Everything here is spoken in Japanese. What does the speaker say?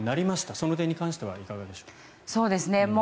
その点に関してはいかがでしょう。